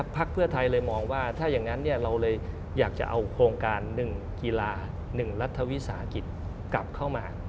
พักเพื่อไทยเลยมองว่าถ้าอย่างนั้นเราเลยอยากจะเอาโครงการ๑กีฬา๑รัฐวิสาหกิจกลับเข้ามา